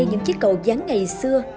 những chiếc cầu dán ngày xưa